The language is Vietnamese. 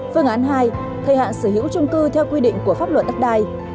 phương án hai thời hạn sở hữu trung cư theo quy định của pháp luật đất đai